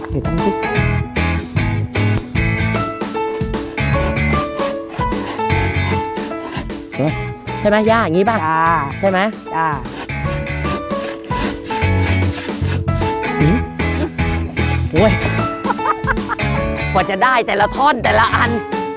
นวยจะได้แต่ละท่อนแต่ละอัน